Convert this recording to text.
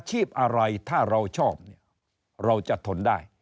ชีพอะไรถ้าเราชอบเนี่ยเราจะทนได้